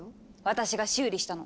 私が修理したの。